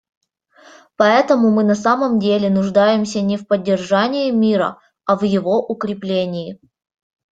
Поэтому мы на самом деле нуждаемся не в поддержании мира, а в его укреплении.